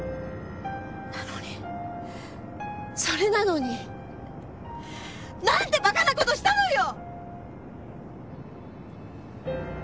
なのにそれなのになんてバカな事したのよ！